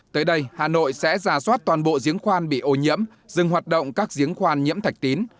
tới đây hà nội sẽ ra soát toàn bộ giếng khoan bị ô nhiễm dừng hoạt động các giếng khoan nhiễm thạch tín